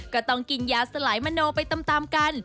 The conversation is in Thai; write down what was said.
ก็ต้องกินยาสลายมโนไปตามกัน